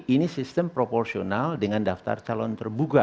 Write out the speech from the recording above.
ini sistem proporsional dengan daftar calon terbuka